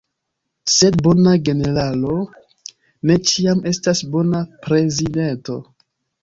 Sed bona generalo ne ĉiam estas bona prezidento.